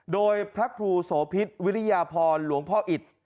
โดยพระครูโสพิษวิริยาพรหลวงพ่ออิต